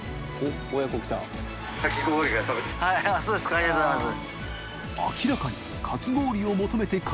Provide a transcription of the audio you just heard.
ありがとうございます。